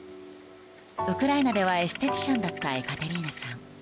ウクライナではエステティシャンだったエカテリーナさん。